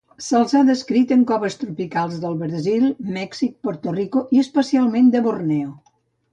Se'ls ha descrit en coves tropicals del Brasil, Mèxic, Puerto Rico i, especialment, de Borneo.